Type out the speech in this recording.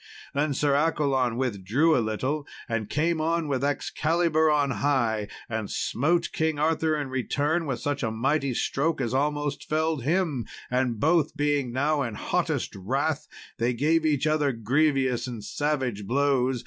Then Sir Accolon withdrew a little, and came on with Excalibur on high, and smote King Arthur in return with such a mighty stroke as almost felled him; and both being now in hottest wrath, they gave each other grievous and savage blows.